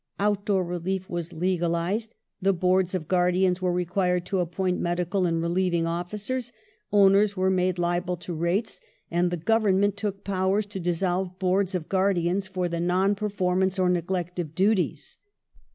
Outdoor relief was legalized ; the Boards of Guardians were required to appoint medical and relieving officers ; owners were made liable to rates, and the Government took powers to dissolve Boards of Guardians for the non performance or neglect of duties.